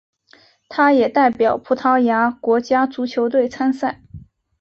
他也代表葡萄牙国家足球队参赛。